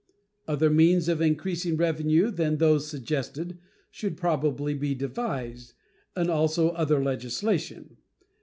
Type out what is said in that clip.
Other means of increasing revenue than those suggested should probably be devised, and also other legislation.